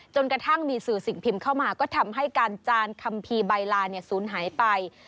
จนกระทั่งมีสื่อสิ่งพิมพ์เข้ามาก็ทำให้การจานคัมภีร์ใบลาศูนย์หายไป